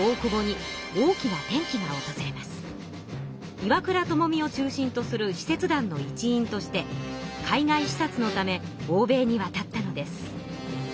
岩倉具視を中心とする使節団の一員として海外視察のため欧米にわたったのです。